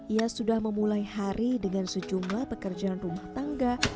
ia sudah memulai hari dengan sejumlah pekerjaan rumah tangga